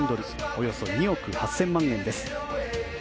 およそ２億８０００万円です。